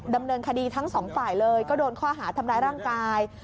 ดำเนินคดีทั้งสองฝ่ายเลยก็โดนข้อหาทำร้ายร่างกาย